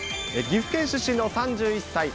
岐阜県出身の３１歳。